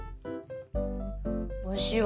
おいしいわ。